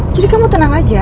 jadi kamu tenang aja